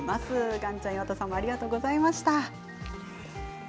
岩ちゃん、岩田さんありがとうございました。